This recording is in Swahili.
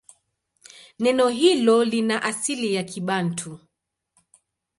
Neno hilo lina asili ya Kibantu.